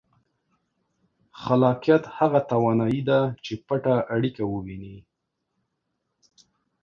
خلاقیت هغه توانایي ده چې پټه اړیکه ووینئ.